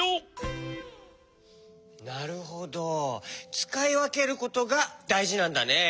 つかいわけることがだいじなんだね。